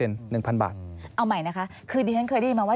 เอาใหม่นะคะคือดิฉันเคยได้ยินมาว่า